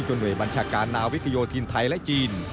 หน่วยบัญชาการนาวิกโยธินไทยและจีน